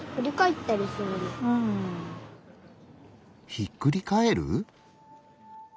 ひっくり返る？